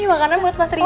ini makanan buat mas riza